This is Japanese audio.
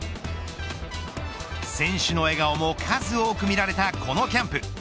選手の笑顔も数多く見られたこのキャンプ。